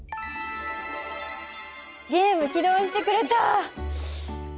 ゲーム起動してくれた！